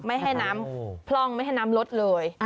ไม่ให้น้ำพร่องไม่ให้น้ำลดเลย